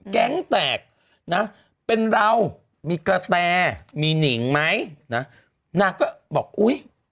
แก๊งแตกนะเป็นเรามีกระแตมีหนิงไหมนะนางก็บอกอุ้ย